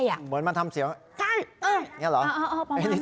เหมือนมันทำเสียงใช่อย่างนี้เหรอ